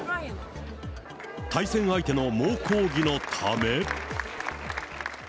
対戦相手の猛抗議のため。